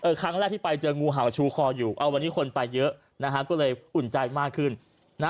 ครั้งแรกที่ไปเจองูเห่าชูคออยู่เอาวันนี้คนไปเยอะนะฮะก็เลยอุ่นใจมากขึ้นนะ